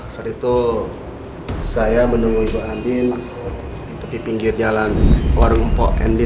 saat itu saya menunggu ibu andi di pinggir jalan warung mpok nd